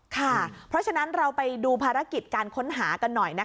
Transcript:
เพราะฉะนั้นเราไปดูภารกิจการค้นหากันหน่อยนะคะ